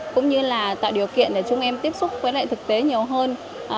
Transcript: cũng như tạo điều kiện để chúng em tiếp xúc với lệ thực tế nhiều hơn